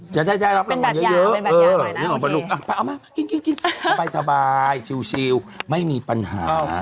จะได้รับรางวัลเยอะนึกออกปะลูกเอามากินสบายชิวไม่มีปัญหา